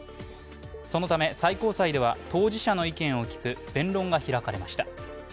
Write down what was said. そのため最高裁では当事者の意見を聞く弁論が開かれました。